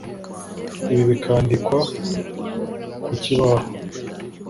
Ibi Bikandikwa ku kibaho.